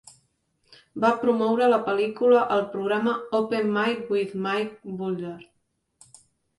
Va promoure la pel·lícula al programa "Open Mike with Mike Bullard".